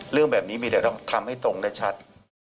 เรื่องแบบนี้มีแต่ต้องทำให้ตรงได้ชัด